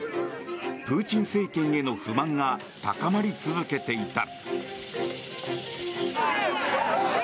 プーチン政権への不満が高まり続けていた。